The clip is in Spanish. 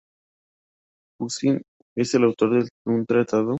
Poussin es autor de un tratado, "La expresión de las pasiones".